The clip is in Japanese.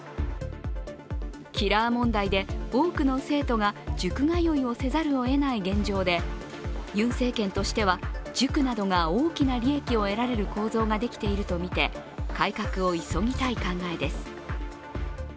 キラー問題で多くの生徒が塾通いをせざるをえない現状でユン政権としては、塾などが大きな利益を得られる構造ができているとみて、改革を急ぎたい考えです。